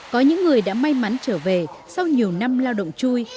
có những người đã may mắn trở về sau nhiều năm lao động chui